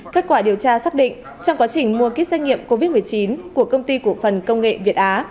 kết quả điều tra xác định trong quá trình mua kích xét nghiệm covid một mươi chín của công ty cổ phần công nghệ việt á